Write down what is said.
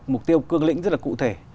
mục tiêu cương lĩnh rất là cụ thể